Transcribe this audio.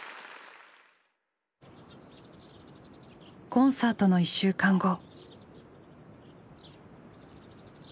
コンサートの１週間後。